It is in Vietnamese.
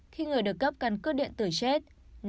bốn khi người được cấp cân cước điện tử chết